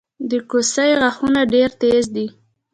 د کوسې غاښونه ډیر تېز دي